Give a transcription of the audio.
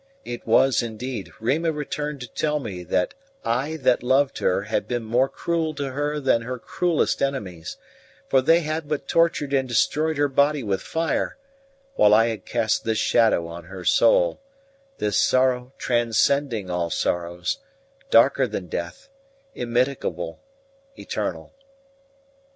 It was, indeed, Rima returned to tell me that I that loved her had been more cruel to her than her cruellest enemies; for they had but tortured and destroyed her body with fire, while I had cast this shadow on her soul this sorrow transcending all sorrows, darker than death, immitigable, eternal.